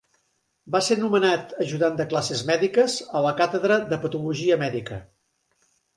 Va ser nomenat ajudant de classes mèdiques a la càtedra de patologia Mèdica.